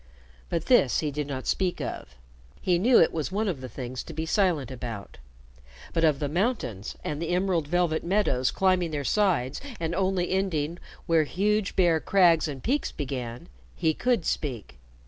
But this he did not speak of. He knew it was one of the things to be silent about. But of the mountains and the emerald velvet meadows climbing their sides and only ending where huge bare crags and peaks began, he could speak.